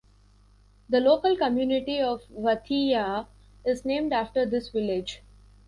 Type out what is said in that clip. The local community of Vatheia is named after this village.